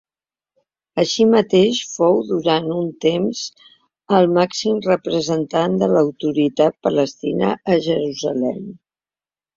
Així mateix fou durant un temps el màxim representant de l'Autoritat Palestina a Jerusalem.